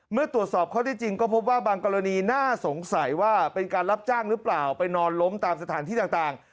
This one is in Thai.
เมื่อตรวจสอบข้อที่จริงก็พบว่าบางกรณีน่าสงสัยว่าเป็นการรับจ้างหรือเปล่าไปนอนล้มตามสถานที่ต่าง